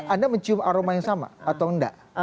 anda mencium aroma yang sama atau enggak